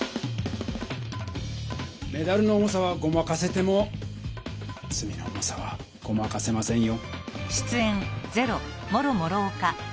メダルの重さはごまかせてもつみの重さはごまかせませんよ。